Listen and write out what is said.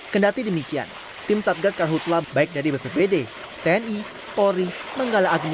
kendati demikian tim satgas karhutla baik dari bppd tni polri menggala ageng